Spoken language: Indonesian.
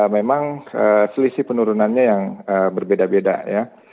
memang selisih penurunannya yang berbeda beda ya